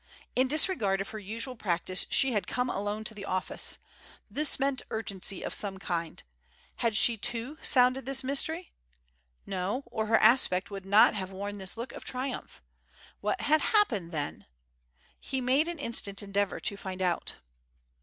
In disregard of her usual practice she had come alone to the office. This meant urgency of some kind. Had she too sounded this mystery? No, or her aspect would not have worn this look of triumph. What had happened then? He made an instant endeavour to find out.